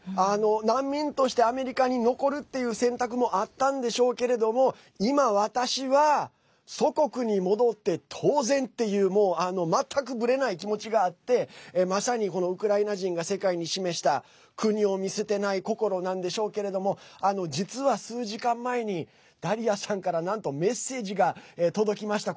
難民としてアメリカに残るという選択もあったんでしょうけれども今、私は祖国に戻って当然っていう全くぶれない気持ちがあってまさに、ウクライナ人が世界に示した国を見捨てない心なんでしょうけれども実は数時間前に、ダリアさんからなんと、メッセージが届きました。